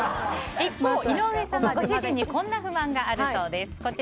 井上さんはご主人にこんな不満があるそうです。